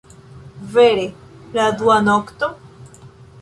Vere... la dua nokto?